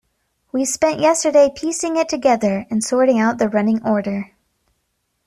We spent yesterday piecing it together and sorting out the running order.